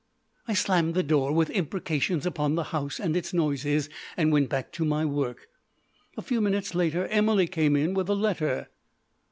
I slammed the door, with imprecations upon the house and its noises, and went back to my work. A few minutes later Emily came in with a letter.